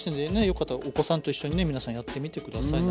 よかったらお子さんと一緒にね皆さんやってみて下さい。